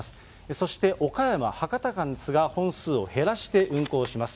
そして岡山・博多間ですが、本数を減らして運行します。